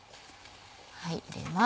入れます